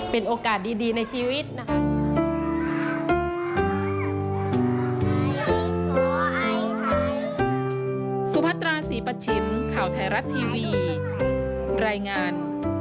เป็นโอกาสดีในชีวิตนะคะ